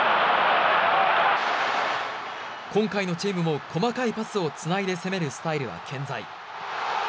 今回のチームも細かいパスをつないで攻めるスタイルは健在。